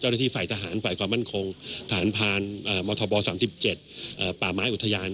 เจ้าหน้าที่ฝ่ายทหารฝ่ายความมั่นคงทหารผ่านมธบ๓๗ป่าไม้อุทยาน